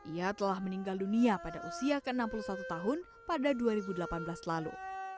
ia telah meninggal dunia pada usia ke enam puluh satu tahun pada dua ribu delapan belas lalu